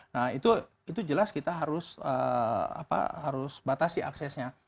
nah itu jelas kita harus batasi aksesnya